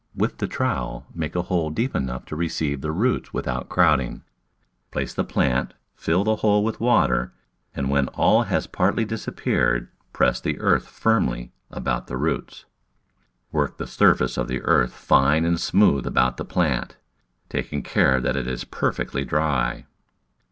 With the trowel make a hole deep enough to re ceive the roots without crowding, place the plant, fill the hole with water, and when that has partly disap peared press the earth firmly about the roots. Work the surface earth fine and smooth about the plant, taking care that it is perfectly dry.